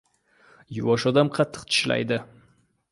• Yuvosh odam qattiq tishlaydi.